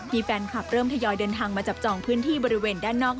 แฟนคลับเริ่มทยอยเดินทางมาจับจองพื้นที่บริเวณด้านนอก